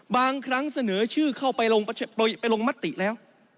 บางครั้งเสนอชื่อเข้าไปลงมติแล้ว